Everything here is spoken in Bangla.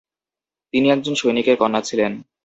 তিনি একজন সৈনিকের কন্যা ছিলেন।